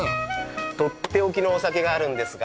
とっておきのお酒があるんですが。